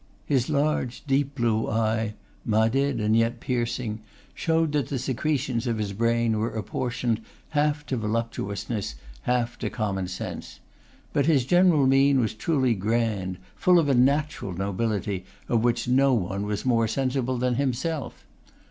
His large deep blue eye, madid and yet piercing, showed that the secretions of his brain were apportioned, half to voluptuousness, half to common sense. But his general mien was truly grand; full of a natural nobility, of which no one was more sensible than himself.